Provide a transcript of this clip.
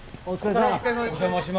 お邪魔します。